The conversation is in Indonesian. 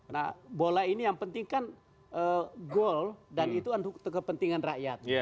nah bola ini yang penting kan gol dan itu untuk kepentingan rakyat